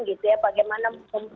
gitu ya bagaimana